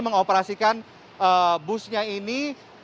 mengoperasikan busnya ini